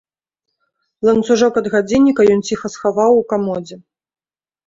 Ланцужок ад гадзінніка ён ціха схаваў у камодзе.